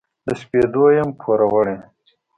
د سپېدو یم پوروړي